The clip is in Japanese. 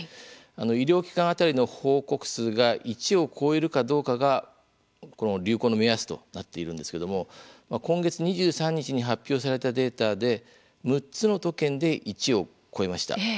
医療機関当たりの報告数が１を超えるかどうかが流行の目安となっているんですけども今月２３日に発表されたデータで６つの都県で、１を超えました。